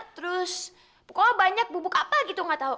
terus pokoknya banyak bubuk apa gitu gak tau